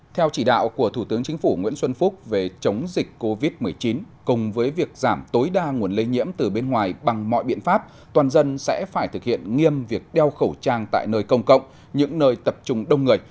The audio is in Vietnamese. theo chỉ đạo của thủ tướng chính phủ nguyễn xuân phúc về chống dịch covid một mươi chín cùng với việc giảm tối đa nguồn lây nhiễm từ bên ngoài bằng mọi biện pháp toàn dân sẽ phải thực hiện nghiêm việc đeo khẩu trang tại nơi công cộng những nơi tập trung đông người